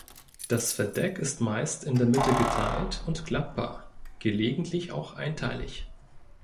Das Verdeck ist meist in der Mitte geteilt und klappbar, gelegentlich auch einteilig.